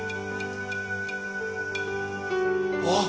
あっ。